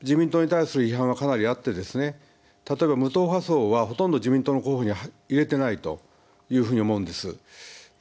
自民党に対する批判はかなりあって例えば無党派層はほとんど自民党の候補に入れていないというふうに思うんです。